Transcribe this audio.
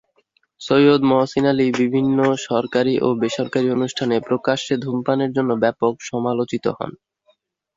সৈয়দ মহসিন আলী বিভিন্ন সরকারি ও বেসরকারি অনুষ্ঠানে প্রকাশ্যে ধূমপানের জন্য ব্যাপক সমালোচিত হন।